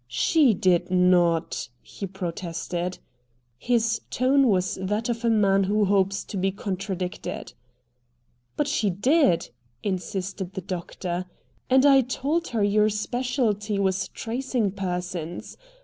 "She did not!" he protested. His tone was that of a man who hopes to be contradicted. "But she did," insisted the doctor, "and I told her your specialty was tracing persons.